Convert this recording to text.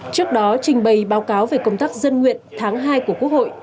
trước đó trình bày báo cáo về công tác dân nguyện tháng hai của quốc hội